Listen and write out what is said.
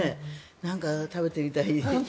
なんか、食べてみたい。